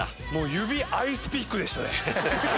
指アイスピックでしたね。